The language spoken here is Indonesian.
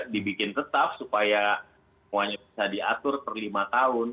dibikin tetap supaya semuanya bisa diatur per lima tahun